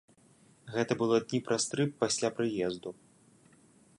Гэта было дні праз тры пасля прыезду.